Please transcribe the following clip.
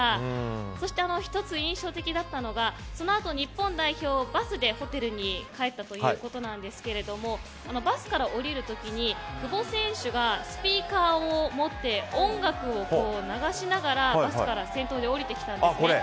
そして、１つ印象的だったのがそのあと日本代表バスでホテルに帰ったということなんですがバスから降りる時に久保選手がスピーカーを持って音楽を流しながらバスから先頭で降りてきたんですね。